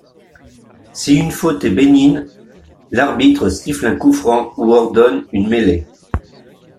Si une faute est bénigne, l'arbitre siffle un coup franc ou ordonne une mêlée.